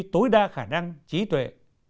tối đa khả năng trí tuệ